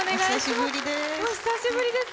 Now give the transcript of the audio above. お久しぶりです。